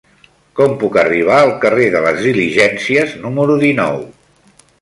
Com puc arribar al carrer de les Diligències número dinou?